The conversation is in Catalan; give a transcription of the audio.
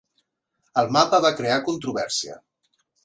El mapa va crear controvèrsia.